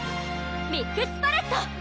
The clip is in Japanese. ミックスパレット！